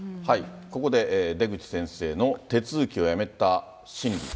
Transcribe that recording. ここで出口先生の手続きをやめた心理。